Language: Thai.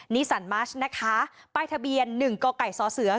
นิสันมาร์ชนะคะป้ายทะเบียนหนึ่งก่อก่ายซ้อเสือ